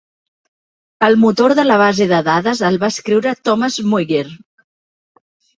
El motor de la base de dades el va escriure Thomas Mueller.